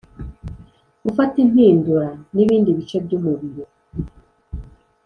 Gufata impindura nibindi bice byumubiri